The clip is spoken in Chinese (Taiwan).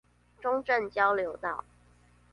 中正交流道